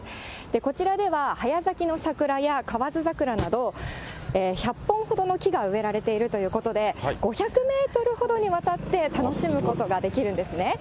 こちらでは早咲きの桜や河津桜など、１００本ほどの木が植えられているということで、５００メートルほどにわたって楽しむことができるんですね。